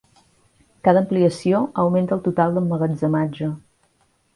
Cada ampliació augmenta el total d'emmagatzematge.